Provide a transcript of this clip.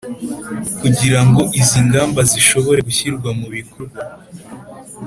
kugirango izi ngamba zishobore gushyirwa mu bikorwa